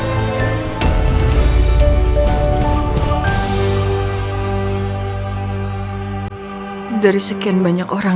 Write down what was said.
baik kita akan berjalan